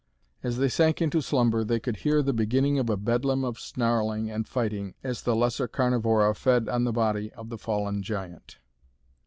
As they sank into slumber they could hear the beginning of a bedlam of snarling and fighting as the lesser Carnivora fed on the body of the fallen giant.